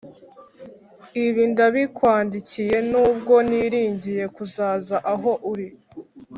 Ibi ndabikwandikiye nubwo niringiye kuzaza aho uri.